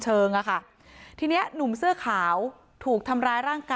แต่คนที่เบิ้ลเครื่องรถจักรยานยนต์แล้วเค้าก็ลากคนนั้นมาทำร้ายร่างกาย